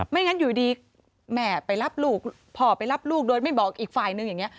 งั้นอยู่ดีแม่ไปรับลูกพ่อไปรับลูกโดยไม่บอกอีกฝ่ายนึงอย่างนี้